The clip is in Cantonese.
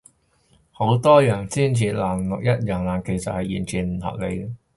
好多人宣傳藍綠一樣爛，其實係完全唔合理